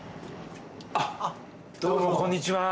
「どうもこんにちは」